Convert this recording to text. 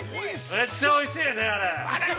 ◆めっちゃおいしいね、あれ。